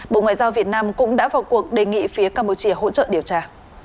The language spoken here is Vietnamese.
bộ ngoại giao việt nam cũng đã vào cuộc đề nghị phía campuchia hỗ trợ điều tra